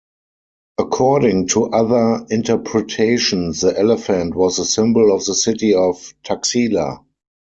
According to other interpretations the elephant was the symbol of the city of Taxila.